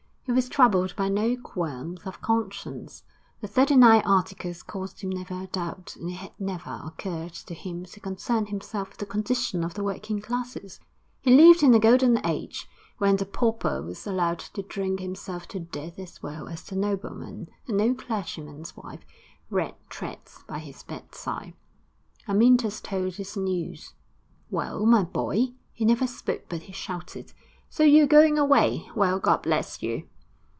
He was troubled by no qualms of conscience; the Thirty nine Articles caused him never a doubt, and it had never occurred to him to concern himself with the condition of the working classes. He lived in a golden age, when the pauper was allowed to drink himself to death as well as the nobleman, and no clergyman's wife read tracts by his bedside.... Amyntas told his news. 'Well, my boy' he never spoke but he shouted 'so you're going away? Well, God bless you!'